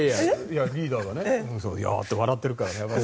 リーダーがいや、笑ってるからね。